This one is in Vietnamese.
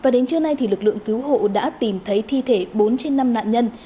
đến trưa nay lực lượng cứu hộ đã tìm thấy thi thể bốn trên năm nạn nhân